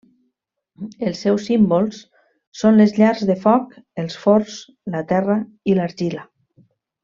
Els seus símbols són les llars de foc, els forns, la terra i l'argila.